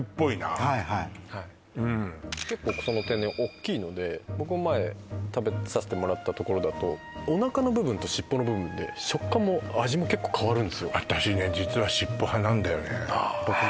うんはいはい結構その天然大きいので僕も前食べさせてもらったところだとおなかの部分としっぽの部分で食感も味も結構変わるんですよ